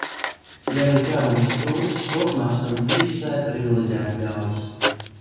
Ja arī kādam kas trūcis, kopumā esam visai priviliģēti ļaudis.